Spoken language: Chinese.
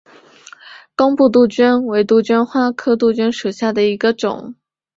工布杜鹃为杜鹃花科杜鹃属下的一个种。